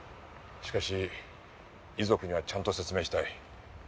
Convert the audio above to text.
しかし遺族にはちゃんと説明したい。